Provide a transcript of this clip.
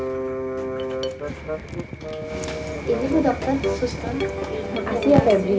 terima kasih ya febri